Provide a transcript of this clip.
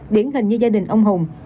điển hình như gia đình ông hùng